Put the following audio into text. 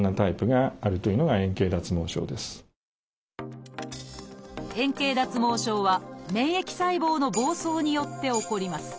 円形脱毛症は免疫細胞の暴走によって起こります。